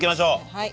はい。